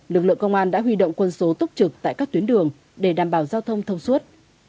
lực lượng công an đã huy động quân số túc trực tại các tuyến đường để đảm bảo giao thông thông suốt